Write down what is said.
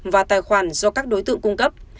và tài khoản do các đối tượng cung cấp